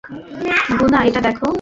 গুনা, এটা দেখো।